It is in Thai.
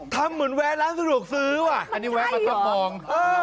ทำเหมือนแวะร้านสะดวกซื้อว่ะอันนี้แวะมาจับมอง